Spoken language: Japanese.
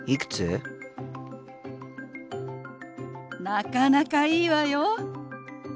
なかなかいいわよ。